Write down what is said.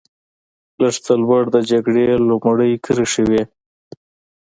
لږ څه لوړ د جګړې لومړۍ کرښې وې.